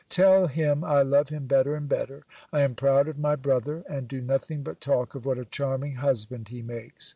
Tell him, I love him better and better. I am proud of my brother, and do nothing but talk of what a charming husband he makes.